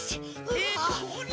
えっとここに。